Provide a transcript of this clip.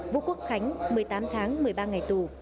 vũ quốc khánh một mươi tám tháng một mươi ba ngày tù